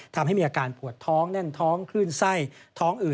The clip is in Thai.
ทำให้มีอาการปวดท้องแน่นท้องคลื่นไส้ท้องอืด